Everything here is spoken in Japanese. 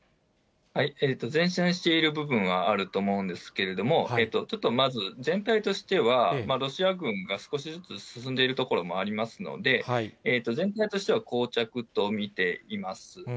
善戦している部分はあると思うんですけれども、ちょっとまず、全体としては、ロシア軍が少しずつ進んでいる所もありますので、全体としては、こう着と見ています。